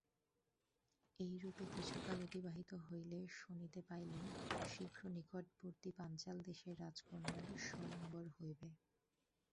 এইরূপে কিছুকাল অতিবাহিত হইলে শুনিতে পাইলেন, শীঘ্র নিকটবর্তী পাঞ্চাল দেশের রাজকন্যার স্বয়ম্বর হইবে।